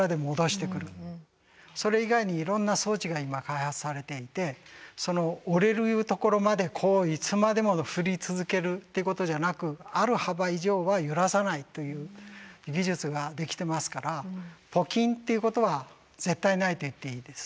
それ以外にいろんな装置が今開発されていてその折れるところまでいつまでも振り続けるってことじゃなくある幅以上は揺らさないという技術ができてますからポキンっていうことは絶対ないと言っていいです。